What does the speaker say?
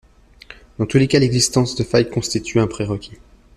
Dans tous les cas l’existence de failles constitue un pré-requis.